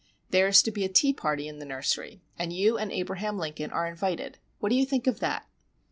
There is to be a tea party in the nursery, and you and Abraham Lincoln are invited. What do you think of that?"